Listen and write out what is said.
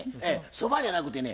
そばじゃなくてね